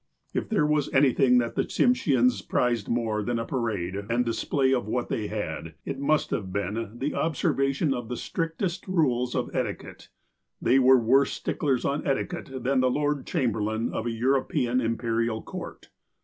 If there was anything that the Tsimsheans prized more than a parade and display of what they had, it must have been the observation of the strictest rules of etiquette. They were worse sticklers on etiquette than the Lord Chamberlain of a European Imperial Court.